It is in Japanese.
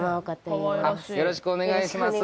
よろしくお願いします